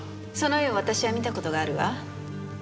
その絵を私は見た事があるわ。